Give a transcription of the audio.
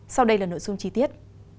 sau đây là nội dung chi tiết